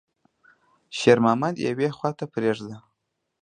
شېرمحمد وويل: «يوې خواته پرېږده.»